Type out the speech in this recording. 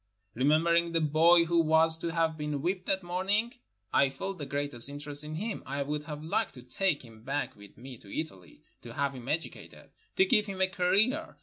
Remembering the boy who was to have been whipped that morning, I NORTHERN AFRICA felt the greatest interest in him. I would have liked to take him back with me to Italy, to have him educated, to give him a career.